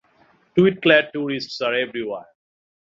Tweed-clad tourists are everywhere.